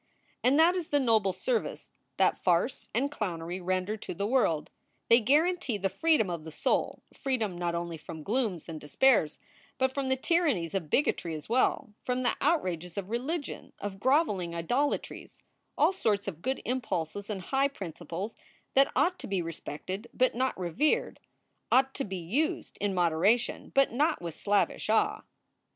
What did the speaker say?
And that is the noble service that farce and clownery render to the world. They guarantee the freedom of the soul, freedom not only from glooms and despairs, but from the tyrannies of bigotry as well, from the outrages of religion, of groveling idolatries, all sorts of good impulses and high principles that ought to be respected but not revered, ought to be used in moderation but not with slavish awe.